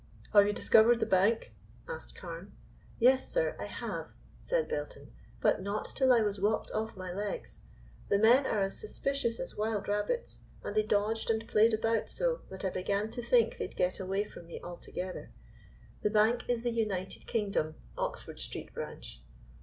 "Have you discovered the bank?" asked Carne. "Yes, sir, I have," said Belton. "But not till I was walked off my legs. The men are as suspicious as wild rabbits, and they dodged and played about so, that I began to think they'd get away from me altogether. The bank is the 'United Kingdom,' Oxford Street branch."